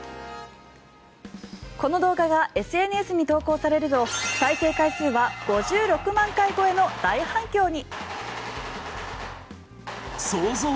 この動画はＳＮＳに投稿されると再生回数は５６万回超えの大反響に。